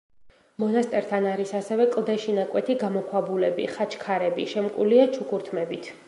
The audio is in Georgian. მონასტერთან არის ასევე კლდეში ნაკვეთი გამოქვაბულები, ხაჩქარები, შემკულია ჩუქურთმებით.